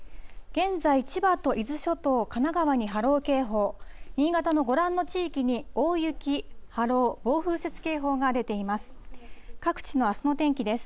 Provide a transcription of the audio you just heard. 現在、千葉と伊豆諸島、神奈川に波浪警報、新潟のご覧の地域に大雪、波浪、暴風雪警報が出ています。